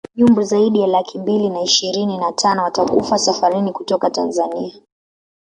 Nyumbu zaidi ya laki mbili na ishirini na tano watakufa safarini kutoka Tanzania